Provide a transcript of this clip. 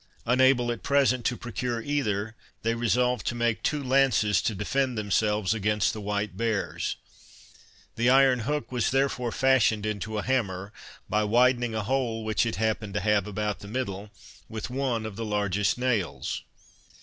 Unable at present to procure either, they resolved to make two lances to defend themselves against the white bears. The iron hook was therefore fashioned into a hammer, by widening a hole which it happened to have about the middle, with one of the largest nails.